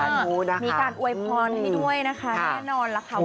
มีการอวยพรที่ด้วยนะคะแน่นอนแล้วค่ะ